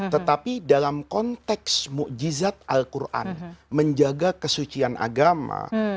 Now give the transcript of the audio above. tetapi dalam konteks ⁇ mujizat al quran menjaga kesucian agama